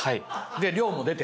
で量も出て？